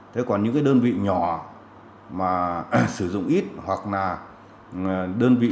thế còn những cái đơn vị nhỏ mà sử dụng ít hoặc là đơn vị